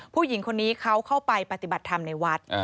ผู้หญิงคนนี้เขาเข้าไปปฏิบัติธรรมในวัด